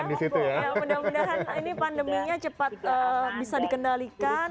mudah mudahan pandeminya cepat bisa dikendalikan